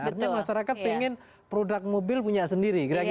artinya masyarakat pengen produk mobil punya sendiri